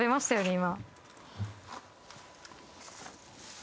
今。